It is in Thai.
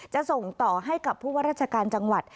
จะส่งต่อให้กับผู้ว่าราชการจังหวัด